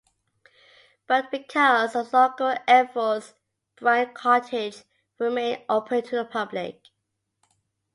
But, because of local efforts, Bryant Cottage will remain open to the public.